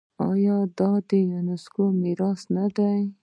آیا دا د یونیسکو میراث نه دی؟